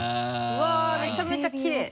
うわぁめちゃめちゃきれい！